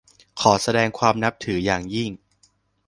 ขอแสดงความนับถืออย่างยิ่ง